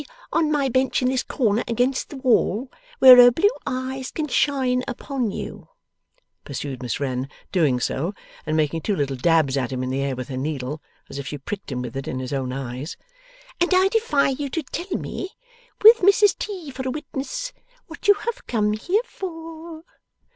on my bench in this corner against the wall, where her blue eyes can shine upon you,' pursued Miss Wren, doing so, and making two little dabs at him in the air with her needle, as if she pricked him with it in his own eyes; 'and I defy you to tell me, with Mrs T. for a witness, what you have come here for.